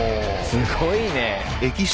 すごいね。